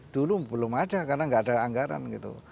dulu belum ada karena gak ada anggaran